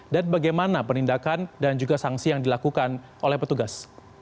dan bagaimana penindakan dan juga sanksi yang dilakukan oleh petugas